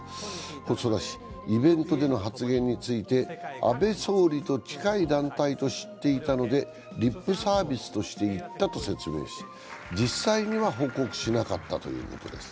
細田氏、イベントでの発言について安倍総理と近い団体と知っていたのでリップサービスとして言ったと説明し、実際には報告しなかったということです。